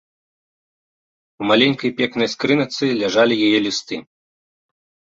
У маленькай пекнай скрыначцы ляжалі яе лісты.